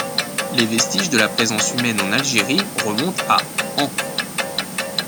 Les vestiges de la présence humaine en Algérie remontent à ans.